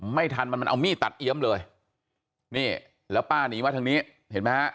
ไม่ทันมันมันเอามีดตัดเอี๊ยมเลยนี่แล้วป้าหนีมาทางนี้เห็นไหมฮะ